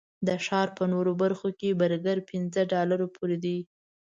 د ښار په نورو برخو کې برګر پنځه ډالرو پورې دي.